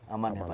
aman ya pak ya